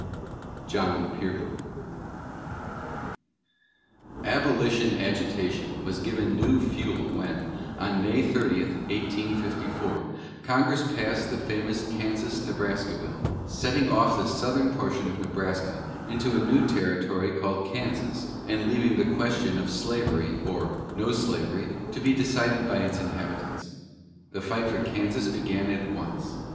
JOHN PIERPONT. Abolition agitation was given new fuel when, on May 30, 1854, Congress passed the famous Kansas Nebraska Bill, setting off the southern portion of Nebraska into a new territory called Kansas, and leaving the question of slavery or no slavery to be decided by its inhabitants. The fight for Kansas began at once.